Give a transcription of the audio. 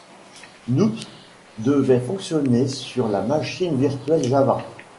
Noop devait fonctionner sur la machine virtuelle Java.